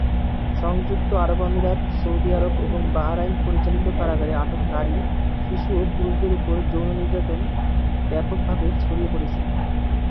সংযুক্ত আরব আমিরাত, Saudi Arab এবং বাহরাইন পরিচালিত কারাগারে আটক নারী, শিশু ও পুরুষদের উপর যৌন নির্যাতন ব্যাপকভাবে ছড়িয়ে পড়েছে।